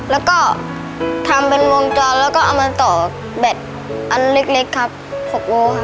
แล้วก็ทำเป็นวงจรแล้วก็เอามาต่อแบตอันเล็กครับ๖โลครับ